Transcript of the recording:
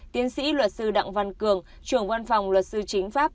tiến sĩ luật sư đặng văn cường trưởng văn phòng luật sư chính pháp